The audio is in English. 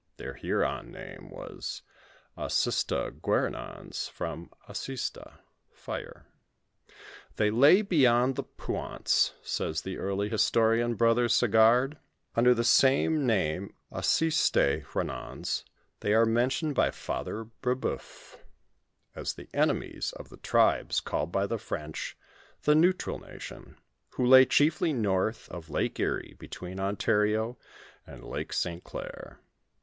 Their Huron name was Asistogueronons, from oriHa (fire). Ihey lay beyond the Pnanta^ says the early historian. Brother Sagard (p. 201). Under the same name, Atsistaehronons, they are mentioned by Father Brebeuf (Rel. 1640 '41, p. 48,) as the enemies of the tribes called by the French the Neutral Nation, who lay chiefly north of Lake Erie, between Ontario and Lake St Clair.